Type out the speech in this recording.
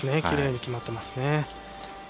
きれいに決まっていますね。